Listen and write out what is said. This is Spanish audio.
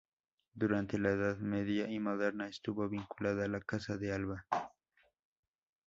Durante la edad media y moderna estuvo vinculada a la Casa de Alba.